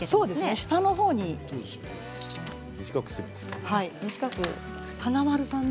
下のほうに短くするんだね。